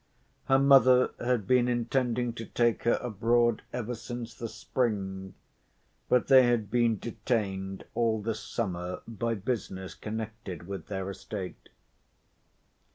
Her mother had been intending to take her abroad ever since the spring, but they had been detained all the summer by business connected with their estate.